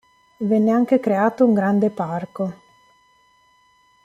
Venne anche creato un grande parco.